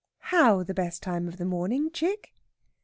"How the best time of the morning, chick?"